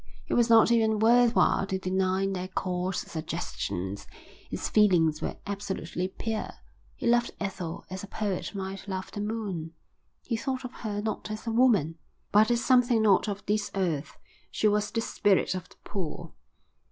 It was not even worth while to deny their coarse suggestions. His feelings were absolutely pure. He loved Ethel as a poet might love the moon. He thought of her not as a woman but as something not of this earth. She was the spirit of the pool.